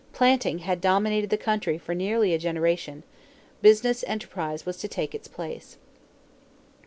Planting had dominated the country for nearly a generation. Business enterprise was to take its place.